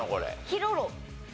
ヒロロ。